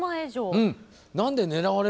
うん。